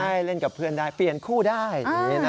ใช่เล่นกับเพื่อนได้เปลี่ยนคู่ได้